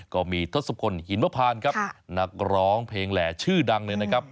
ก็มีทศพลหินมพานครับนักร้องเพลงแหล่ชื่อดังเลยนะครับ